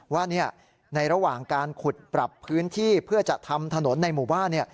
ว่าในระหว่างการขุดปรับพื้นที่เพื่อจะทำถนนในหมู่บ้าน